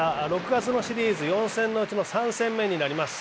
６月のシリーズ４戦のうちの３戦になります。